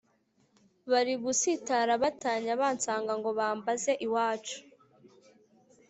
bari gusitara batanya bansanga ngo bambaze iwacu